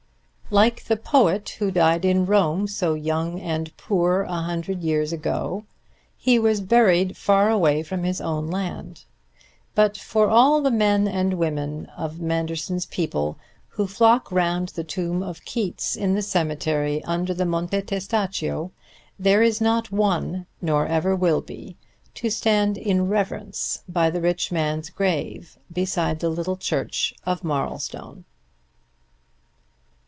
Like the poet who died in Rome, so young and poor, a hundred years ago, he was buried far away from his own land; but for all the men and women of Manderson's people who flock round the tomb of Keats in the cemetery under the Monte Testaccio, there is not one, nor ever will be, to stand in reverence by the rich man's grave beside the little church of Marlstone.